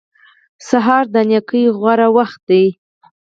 سهار د نېکۍ غوره وخت دی.